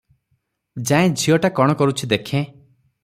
ଯାଏଁ ଝିଅଟା କ’ଣ କରୁଛି ଦେଖେଁ ।